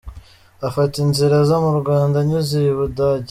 Afata inzira aza mu Rwanda anyuze iy’I Bugande.